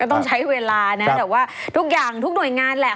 ต้องใช้เวลานะแต่ว่าทุกอย่างทุกหน่วยงานแหละ